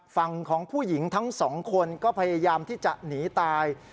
ฝั่งของผู้หญิงทั้งสองคนก็พยายามที่จะหนีตาย